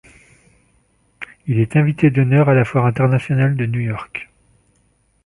Il est invité d’honneur à la Foire internationale de New York.